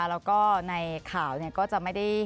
แล้วก็ในข่าวเนี่ยก็จะไม่ได้เห็นว่า